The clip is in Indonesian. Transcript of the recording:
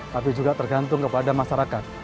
tapi juga tergantung kepada masyarakat